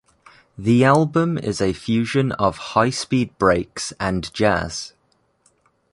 The album is a fusion of high speed breaks and jazz.